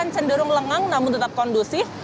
cenderung lengang namun tetap kondusif